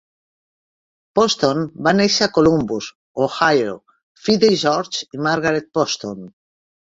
Poston va néixer a Columbus (Ohio), fill de George i Margaret Poston.